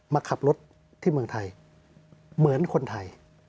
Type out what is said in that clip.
มาขับรถที่เมืองไทยเหมือนคนไทย